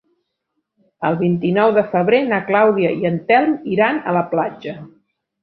El vint-i-nou de febrer na Clàudia i en Telm iran a la platja.